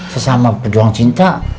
sesama berduang cinta